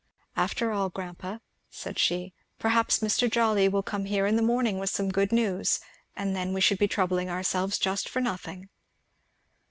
"After all, grandpa," said she, "perhaps Mr. Jolly will come here in the morning with some good news, and then we should be troubling ourselves just for nothing."